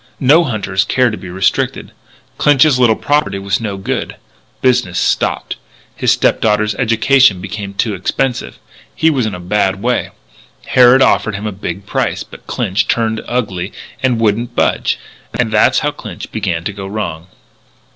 No hunters care to be restricted. Clinch's little property was no good. Business stopped. His stepdaughter's education became expensive. He was in a bad way. Harrod offered him a big price. But Clinch turned ugly and wouldn't budge. And that's how Clinch began to go wrong."